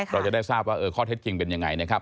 เราจะได้ทราบว่าข้อเท็จจริงเป็นยังไงนะครับ